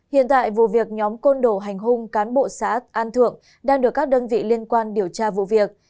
hiện tại vụ việc nhóm côn đồ hành hung cán bộ xã an thượng đang được các đơn vị liên quan điều tra vụ việc